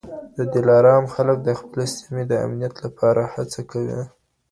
د دلارام خلک د خپلې سیمي د امنیت لپاره هڅه کوي.